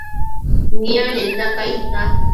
nianenda cainta